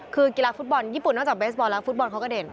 คือกีฬาฟุตบอลญี่ปุ่นนอกจากเบสบอลแล้วฟุตบอลเขาก็เด่น